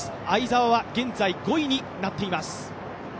相澤は現在、５位になっています。